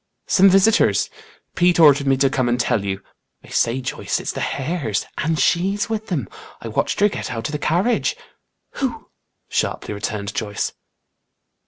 "Some visitors. Pete ordered me to come and tell you. I say, Joyce, it's the Hares. And she's with them. I watched her get out of the carriage." "Who?" sharply returned Joyce.